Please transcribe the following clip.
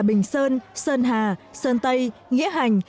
bình sơn sơn hà sơn tây nghĩa hành